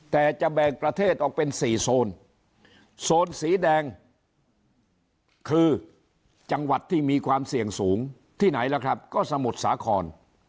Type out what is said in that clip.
แต่จะแบ่งประเทศออกเป็น๔โซนโซนสีแดงคือจังหวัดที่มีความเสี่ยงสูงที่ไหนล่ะครับก็สมุทรสาคร